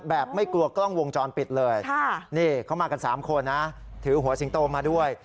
ไม่กลัวกล้องวงจรปิดเลยนี่เขามากัน๓คนนะถือหัวสิงโตมาด้วย